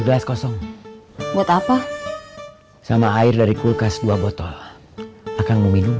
gelas kosong buat apa sama air dari kulkas dua botol akan meminum